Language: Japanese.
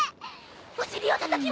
お尻をたたきます！